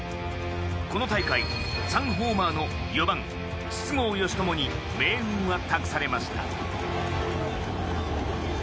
この大会、３ホーマーの４番、筒香嘉智に命運は託されました。